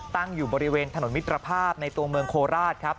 ตั้งอยู่บริเวณถนนมิตรภาพในตัวเมืองโคราชครับ